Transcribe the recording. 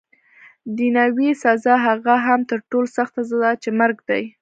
دنیاوي سزا، هغه هم تر ټولو سخته سزا چي مرګ دی.